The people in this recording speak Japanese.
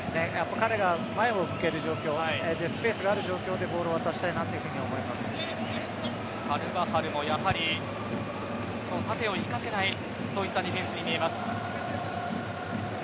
彼が前を向ける状況スペースがある状況でカルヴァハルもやはり縦を生かせない、そういったディフェンスに見えます。